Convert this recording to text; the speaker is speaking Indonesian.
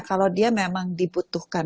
kalau dia memang dibutuhkan